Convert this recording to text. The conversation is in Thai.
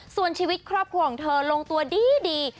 ส่วนชีวิตครอบครัวของเธอลงตัวดี